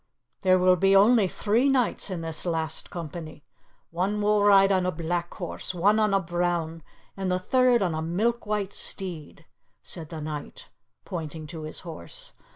There will be only three knights in this last company; one will ride on a black horse, one on a brown, and the third on a milk white steed," said the knight, pointing to his horse.